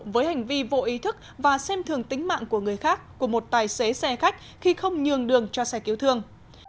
với hành vi vô ý thức và xem thường tính mạng của người khác của một tài xế xe khách khi không nhường đường cho xe cứu thương